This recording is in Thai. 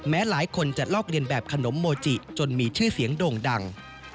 หลายคนจะลอกเรียนแบบขนมโมจิจนมีชื่อเสียงโด่งดัง